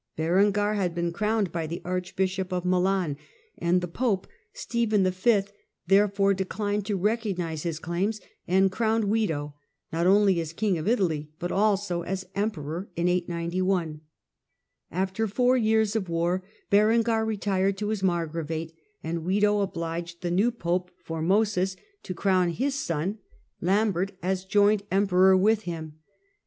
Berengar had been crowned by the Archbishop of Milan, and the Pope, Stephen V., therefore declined to recognise his claims and crowned Wido, not only as king of Italy but also as Emperor (891). After four years of war Berengar retired to his margravate and Wido obliged the new Pope, Formosus, to crown his son Lambert as THE BREAK UP OF THE CABOUNGIAB EMPIRE 2*23 joint emperor with him.